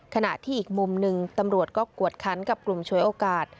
ขณะที่อีกมุมหนึ่งตำรวจก็กวดคันกับกลุ่มฉวยโอกาส